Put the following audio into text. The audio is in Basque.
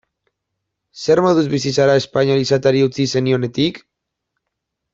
Zer moduz bizi zara espainol izateari utzi zenionetik?